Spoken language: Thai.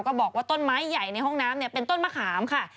ก็บอกว่าต้นไม้ใหญ่ในห้องน้ำเป็นต้นมะขามค่ะ